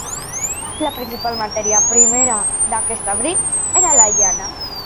La principal matèria primera d'aquests abrics era la llana.